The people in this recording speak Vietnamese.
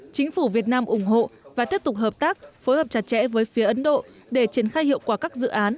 chính phủ việt nam ủng hộ và tiếp tục hợp tác phối hợp chặt chẽ với phía ấn độ để triển khai hiệu quả các dự án